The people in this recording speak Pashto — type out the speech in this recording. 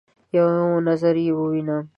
یو نظر يې ووینم